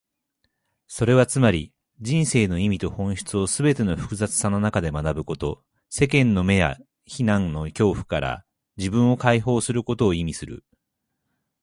それはつまり、人生の意味と本質をすべての複雑さの中で学ぶこと、世間の目や非難の恐怖から自分を解放することを意味する。